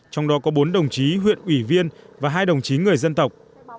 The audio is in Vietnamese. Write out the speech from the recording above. trong đó có bốn đồng chí huyện ủy viên và hai đồng chí người dân tộc